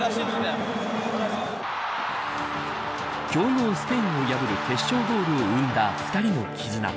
強豪スペインを破る決勝ゴールを産んだ２人の絆。